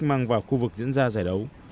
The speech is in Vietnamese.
mang vào khu vực diễn ra giải đấu